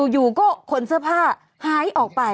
อยู่ก็ขนเสื้อผ้าหายออกไป